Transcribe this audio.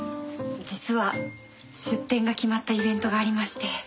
実は出店が決まったイベントがありまして。